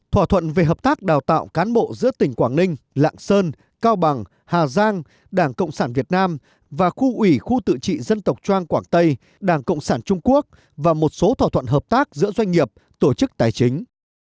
thỏa thuận về hợp tác đào tạo cán bộ giữa tỉnh quảng ninh lạng sơn cao bằng hà giang đảng cộng sản việt nam và khu ủy khu tự trị dân tộc trang quảng tây đảng cộng sản trung quốc và một số thỏa thuận hợp tác giữa doanh nghiệp tổ chức tài chính